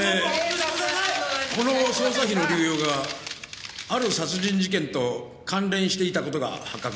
この捜査費の流用がある殺人事件と関連していた事が発覚しました。